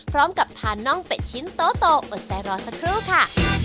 พร้อมกับทานน่องเป็ดชิ้นโตอดใจรอสักครู่ค่ะ